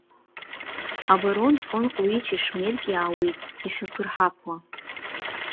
Абарон Фон-Ҟлыичи Шмеркеи ааиуеит, ишәаԥырҳаԥуа.